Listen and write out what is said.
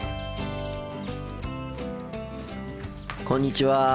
こんにちは。